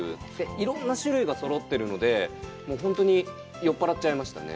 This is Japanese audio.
いろんな種類がそろってるので、本当に酔っ払っちゃいましたね。